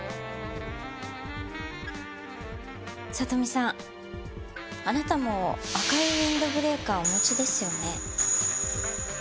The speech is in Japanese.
里美さんあなたも赤いウィンドブレーカーをお持ちですよね？